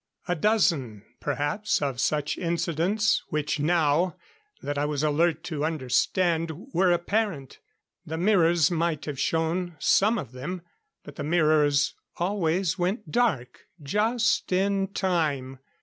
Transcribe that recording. A dozen, perhaps, of such incidents, which now, that I was alert to understand, were apparent. The mirrors might have shown some of them but the mirrors always went dark just in time.